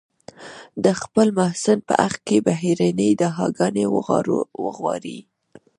د خپل محسن په حق کې بهترینې دعاګانې وغواړي.